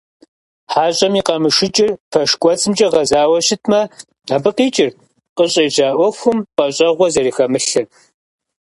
ХьэщӀэм и къамышыкӀыр пэш кӀуэцӀымкӀэ гъэзауэ щытмэ, абы къикӀырт къыщӏежьа Ӏуэхум пӀэщӀэгъуэ зэрыхэмылъыр.